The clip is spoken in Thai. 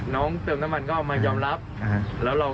คุณธิชานุลภูริทัพธนกุลอายุ๓๔